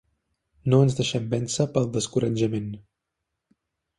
No ens deixem vèncer pel descoratjament.